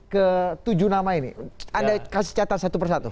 ke tujuh nama ini anda kasih catatan satu persatu